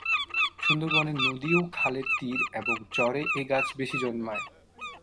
সুন্দরবনের নদী ও খালের তীর এবং চরে এ গাছ বেশি জন্মায়।